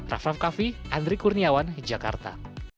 raff raff kaffi andri kurniawan jakarta